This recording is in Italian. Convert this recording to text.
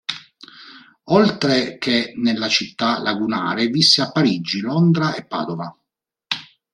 Oltre che nella città lagunare, visse a Parigi, Londra e Padova.